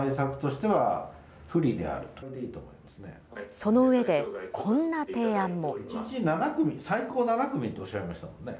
その上で、こんな提案も。